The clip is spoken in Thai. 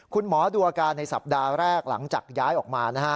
คุณหมอดูอาการในสัปดาห์แรกหลังจากย้ายออกมานะฮะ